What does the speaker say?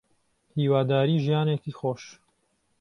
هیواداری ژیانێکی خۆش